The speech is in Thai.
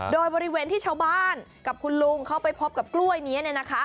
โดยบริเวณที่ชาวบ้านกับคุณลุงเขาไปพบกับกล้วยนี้